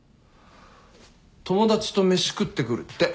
友達と飯食ってくるって。